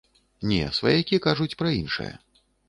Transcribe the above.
Не, сваякі кажуць пра іншае.